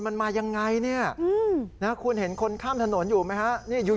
มาเผาที่สุด